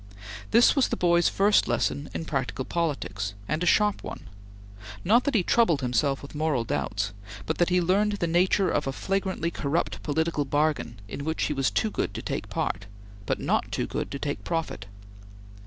This was the boy's first lesson in practical politics, and a sharp one; not that he troubled himself with moral doubts, but that he learned the nature of a flagrantly corrupt political bargain in which he was too good to take part, but not too good to take profit.